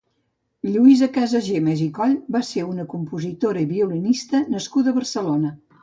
Lluïsa Casagemas i Coll va ser una compositora i violinista nascuda a Barcelona.